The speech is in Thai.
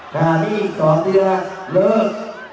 ขาดี้สองเดือนเลิก